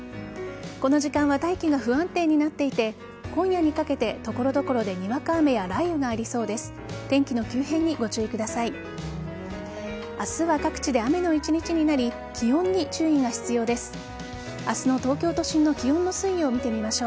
この時間は大気が不安定になっていて今夜にかけて所々でにわか雨や雷雨がありそうです。